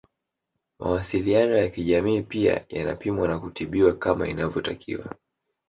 Mawasiliano ya kijamii pia yanapimwa na kutibiwa kama inavyotakiwa